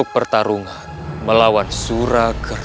kata orang tersyukur